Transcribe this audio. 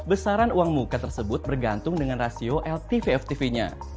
besaran uang muka tersebut bergantung dengan rasio ltv ftv nya